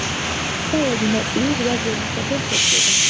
სავალი ნაწილი რვა ზოლისაგან შედგება.